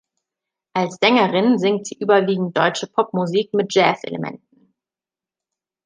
Als Sängerin singt sie überwiegend deutsche Popmusik mit Jazz-Elementen.